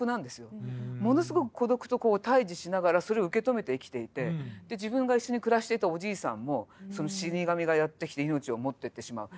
ものすごく孤独と対じしながらそれを受け止めて生きていて自分が一緒に暮らしていたおじいさんも死神がやって来て命を持ってってしまう。